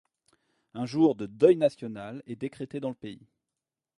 Un jour de deuil national est décrété dans le pays.